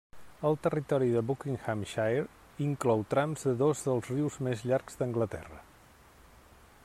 El territori de Buckinghamshire inclou trams de dos dels rius més llargs d'Anglaterra.